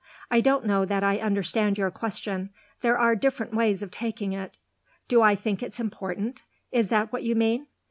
"I don't know that I understand your question; there are different ways of taking it. Do I think it's important? Is that what you mean?